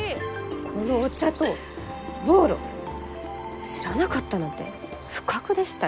このお茶とボーロ知らなかったなんて不覚でしたよ。